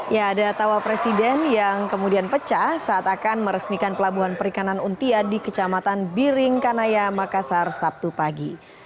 ya ada tawa presiden yang kemudian pecah saat akan meresmikan pelabuhan perikanan untia di kecamatan biring kanaya makassar sabtu pagi